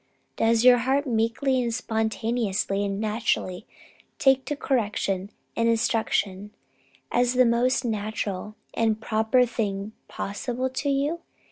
Does your heart meekly and spontaneously and naturally take to correction and instruction as the most natural and proper thing possible to you?